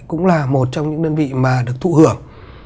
cũng là một trong những đơn vị mà được thụ hưởng